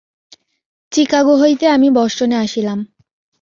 চিকাগো হইতে আমি বষ্টনে আসিলাম।